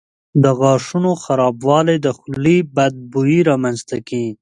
د غاښونو خرابوالی د خولې بد بوی رامنځته کوي.